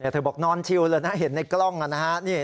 เธอบอกนอนชิวเลยนะเห็นในกล้องนะฮะ